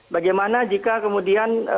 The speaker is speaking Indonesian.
bagaimana jika kemudian